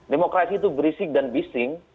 demokrasi itu berisik dan bising